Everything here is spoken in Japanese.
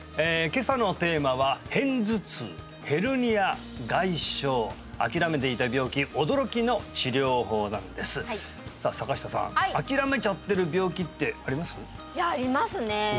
今朝のテーマは「片頭痛ヘルニア外傷」「諦めていた病気驚きの治療法」なんですさあ坂下さんいやありますね